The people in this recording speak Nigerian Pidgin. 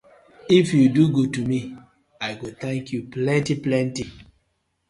If yu do good to me, I go tank yu plenty plenty.